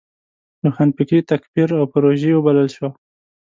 روښانفکري تکفیر او پروژيي وبلل شوه.